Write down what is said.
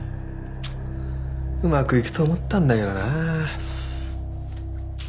うまくいくと思ったんだけどな。